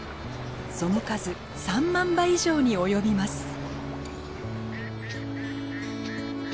その数３万羽以上に及びます。